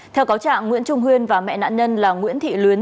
theo cáo trạng nguyễn trung huyên và mẹ nạn nhân là nguyễn thị luyến